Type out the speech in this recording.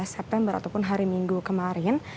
september ataupun hari minggu kemarin